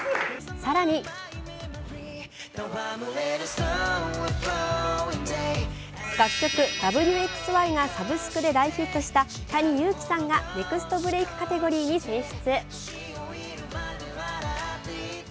更に楽曲「Ｗ／Ｘ／Ｙ」がサブスクで大ヒットしたＴａｎｉＹｕｕｋｉさんがネクストブレークカテゴリーに選出。